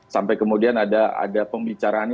sampai kemudian ada pembicaraan